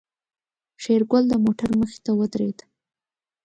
شېرګل د موټر مخې ته ودرېد.